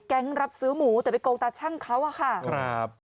แก๊งรับซื้อหมูแต่ไปโกงตาช่างเขาค่ะ